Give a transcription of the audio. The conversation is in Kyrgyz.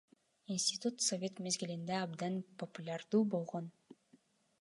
Институт совет мезгилинде абдан популярдуу болгон.